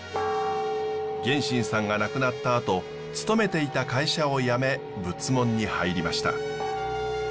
眼心さんが亡くなったあと勤めていた会社を辞め仏門に入りました。